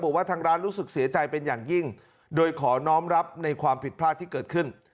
บอกว่าทางร้านรู้สึกเสียใจเป็นอย่างยิ่งโดยขอน้องรับในความผิดพลาดที่เกิดขึ้น